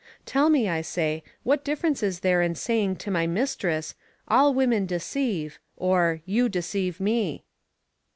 Tell me, I say, what difference is there in saying to my mistress: "All women deceive," or, "You deceive me?"